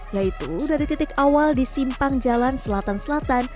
yaitu dari titik awal di simpang jalan selatan selatan